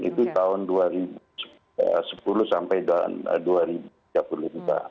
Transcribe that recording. itu tahun dua ribu sepuluh sampai dua ribu tiga puluh lima